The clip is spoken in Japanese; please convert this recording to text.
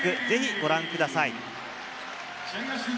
ぜひご覧ください。